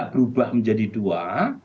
berubah menjadi dua